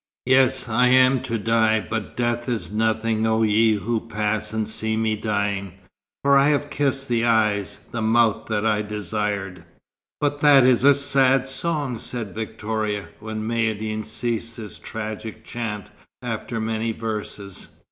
"Yes, I am to die, but death is nothing O ye who pass and see me dying, For I have kissed the eyes, the mouth that I desired." "But that is a sad song," said Victoria, when Maïeddine ceased his tragic chant, after many verses.